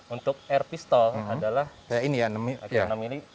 untuk air pistol adalah enam mm